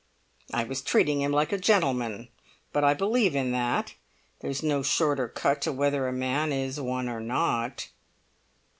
Is was treating him like a gentleman, but I believe in that; there's no shorter cut to whether a man is one or not."